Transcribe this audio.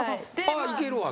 いけるわと。